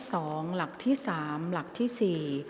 จะใช้อุปกรณ์ออกรางวัลหลักที่๒หลักที่๓หลักที่๔